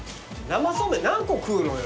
生そうめん何個食うのよ。